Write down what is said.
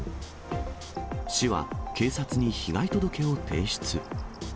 市は警察に被害届を提出。